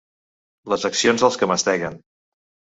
Les accions dels que masteguen.